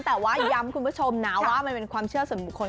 แต่ว่าย้ำคุณผู้ชมนะว่ามันเป็นความเชื่อส่วนบุคคล